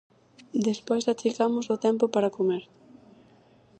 Despois achicamos o tempo para comer.